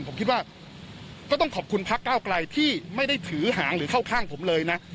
ผมคิดว่าก็ต้องขอบคุณพักเก้าไกลที่ไม่ได้ถือหางหรือเข้าข้างผมเลยนะ